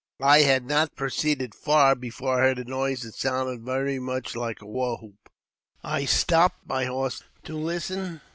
I had not proceeded far before I heard a noise that sounded very rnuch like a war hoop. I stopped my horse to listen.